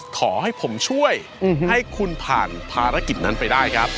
ขอให้ผมช่วยให้คุณผ่านภารกิจนั้นไปได้ครับ